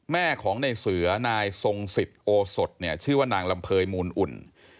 แม่ของในเสือนายทรงสิทธิโอสดเนี่ยชื่อว่านางลำเภยมูลอุ่น